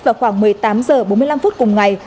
vào khoảng một mươi tám h bốn mươi năm phút cùng ngày